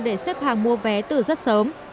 để xếp hàng mua vé từ rất sớm